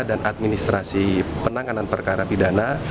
dan administrasi penanganan perkara pidana